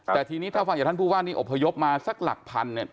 แต่ทีนี้ถ้าฟังจากท่านผู้ว่านี่อพยพมาสักหลักพันเนี่ย